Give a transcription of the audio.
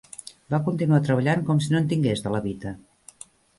Va continuar treballant com si no en tingués de levita.